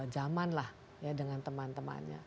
zaman lah ya dengan teman temannya